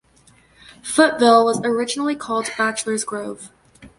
Footville was originally called Bachelor's Grove.